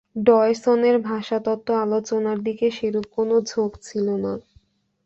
ডয়সনের ভাষাতত্ত্ব আলোচনার দিকে সেরূপ কোন ঝোঁক ছিল না।